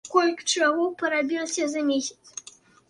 Колькі чаго парабілася за месяц!